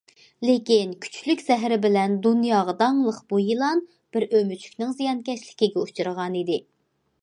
لېكىن كۈچلۈك زەھىرى بىلەن دۇنياغا داڭلىق بۇ يىلان بىر ئۆمۈچۈكنىڭ زىيانكەشلىكىگە ئۇچرىغان ئىدى.